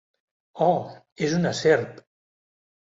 Oh, és una serp!